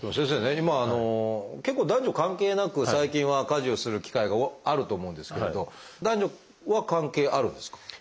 先生ね今結構男女関係なく最近は家事をする機会があると思うんですけれど男女は関係あるんですか？